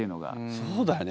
そうだよね。